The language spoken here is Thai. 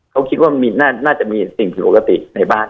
เขาคิดว่าน่าจะมีสิ่งผิดปกติในบ้าน